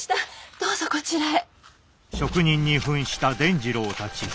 どうぞこちらへ。